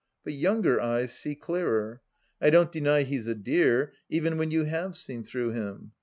But younger eyes see clearer. I don't deny he's a dear, even when you have seen through him.